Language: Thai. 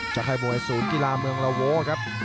จะค่อยมวยสูตรกีฬาเมืองละโว้ครับ